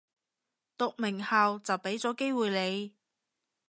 讀名校就畀咗機會你